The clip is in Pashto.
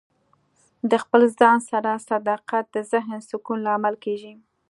د خپل ځان سره صداقت د ذهن سکون لامل کیږي.